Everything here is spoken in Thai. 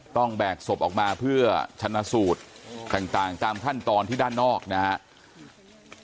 ต้องแบกศพออกมาเพื่อชันสูตรต่างต่างตามขั้นตอนที่ด้านนอกนะฮะ